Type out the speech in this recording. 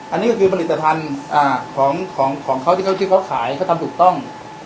อันนี้ก็คือผลิตภัณฑ์ของเขาที่เขาขายเขาทำถูกต้อง